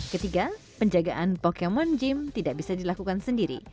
ketiga penjagaan pokemon gym tidak bisa dilakukan sendiri